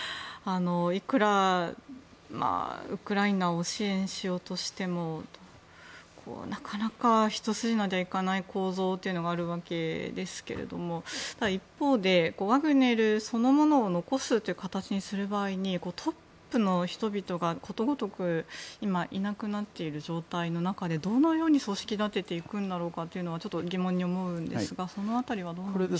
いくらウクライナを支援しようとしてもなかなかひと筋縄ではいかない構造があるわけですけれどもただ一方でワグネルそのものを残すという形にする場合にトップの人々がことごとく今いなくなっている状態の中でどのように組織立てていくのかちょっと疑問に思うんですがその辺りはどうなんでしょう。